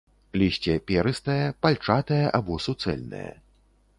Лісце перыстае, пальчатае або суцэльнае.